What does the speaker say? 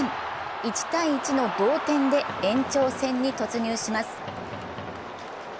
１−１の同点で延長戦に突入します。